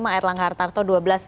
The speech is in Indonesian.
air langgar tarto dua belas lima belas